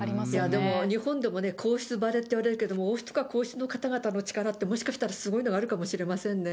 でも日本でもね、皇室晴れっていわれますけど、王室か、皇室の方々の力ってもしかしたらすごいのがあるかもしれませんね。